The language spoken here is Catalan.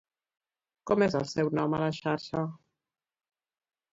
Com és el seu nom a la xarxa?